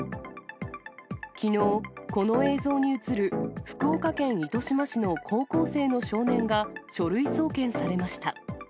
きのう、この映像に写る福岡県糸島市の高校生の少年が書類送検されました。